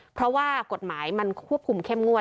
เพราะว่ากฎหมายมันควบคุมเข้มงวด